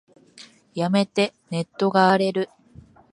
やめて、ネットが荒れる。